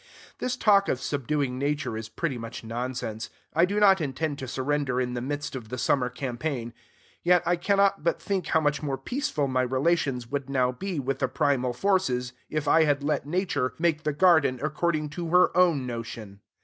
This talk of subduing Nature is pretty much nonsense. I do not intend to surrender in the midst of the summer campaign, yet I cannot but think how much more peaceful my relations would now be with the primal forces, if I had, let Nature make the garden according to her own notion.